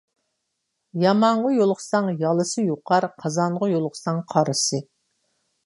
يامانغا يولۇقساڭ يالىسى يۇقار، قازانغا يولۇقساڭ قارىسى.